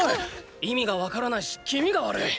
意味がわからないし気味が悪い！